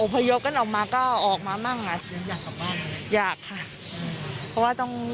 มรดก่อนไปดังคิว